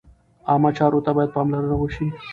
عامه چارو ته باید پاملرنه وشي.